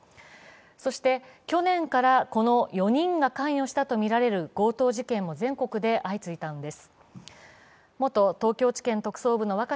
そして、去年からこの４人が関与したとみられる強盗事件も全国で相次いだのです。